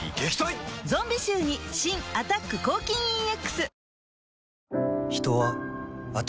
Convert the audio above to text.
ゾンビ臭に新「アタック抗菌ＥＸ」